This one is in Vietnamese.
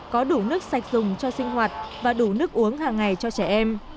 có đủ nước sạch dùng cho sinh hoạt và đủ nước uống hàng ngày cho trẻ em